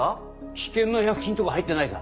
危険な薬品とか入ってないか？